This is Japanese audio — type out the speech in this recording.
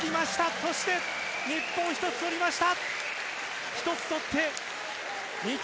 そして日本、一つ取りました。